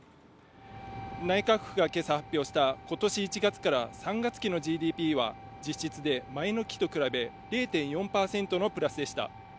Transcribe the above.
内閣府が今朝発表した今年１月から３月期のＧＤＰは、実質で前の期と比べ０．４％のプラスでした。